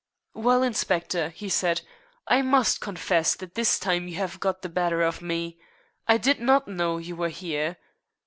"Well, inspector," he said, "I must confess that this time you have got the better of me. I did not know you were here.